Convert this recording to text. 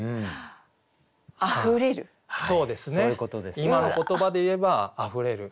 今の言葉で言えば「あふれる」。